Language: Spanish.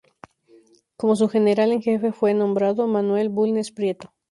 Como su general en jefe fue nombrado Manuel Bulnes Prieto.